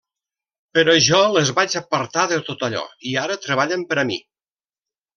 Però jo les vaig apartar de tot allò i ara treballen per a mi.